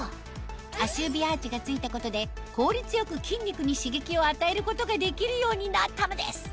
足指アーチが付いたことで効率よく筋肉に刺激を与えることができるようになったのです